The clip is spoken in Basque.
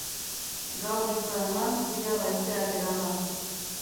Gaur hitza eman, bihar haizeak eraman.